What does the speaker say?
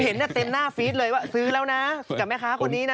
เห็นเต็มหน้าฟีดเลยว่าซื้อแล้วนะกับแม่ค้าคนนี้นะ